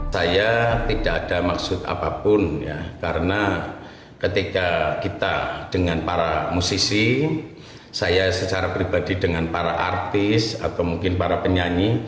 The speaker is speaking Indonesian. saya tidak ada maksud apapun karena ketika kita dengan para musisi saya secara pribadi dengan para artis atau mungkin para penyanyi